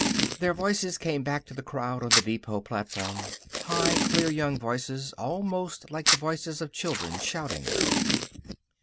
Their voices came back to the crowd on the depot platform high, clear young voices; almost like the voices of children, shouting.